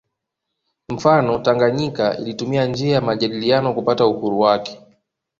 Mfano Tanganyika ilitumia njia majadiliano kupata uhuru wake